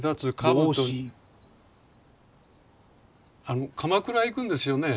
あの鎌倉行くんですよね？